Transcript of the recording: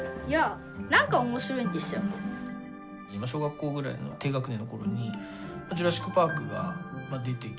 小学校ぐらいの低学年の頃に「ジュラシック・パーク」が出てきて。